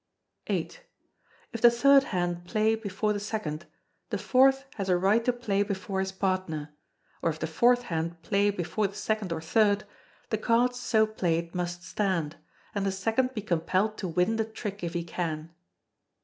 "] viii. If the third hand play before the second, the fourth has a right to play before his partner; or if the fourth hand play before the second or third, the cards so played must stand, and the second be compelled to win the trick if he can.